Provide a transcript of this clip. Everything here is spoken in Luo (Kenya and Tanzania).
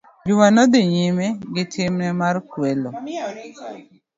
Juma nodhi nyime gitim mar kwelo.